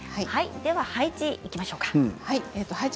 配置にいきましょうか。